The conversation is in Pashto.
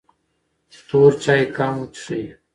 تور چای کم وڅښئ.